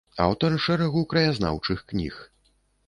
Аўтар шэрагу краязнаўчых кніг.